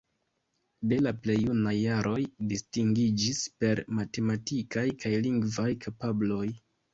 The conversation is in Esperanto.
De la plej junaj jaroj distingiĝis per matematikaj kaj lingvaj kapabloj.